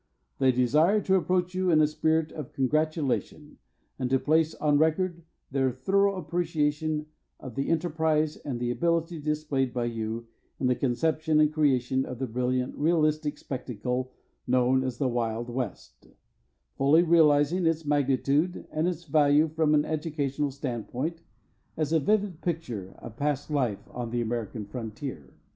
They desire to approach you in a spirit of congratulation and to place on record their thorough appreciation of the enterprise and ability displayed by you in the conception and creation of the brilliant realistic spectacle known as the Wild West, fully realizing its magnitude and its value from an educational standpoint as a vivid picture of past life on the American frontier.